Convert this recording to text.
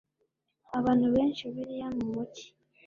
abantu benshi Bibiliya mu mugi